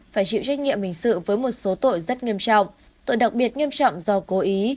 phải chịu trách nhiệm hình sự với một số tội rất nghiêm trọng tội đặc biệt nghiêm trọng do cố ý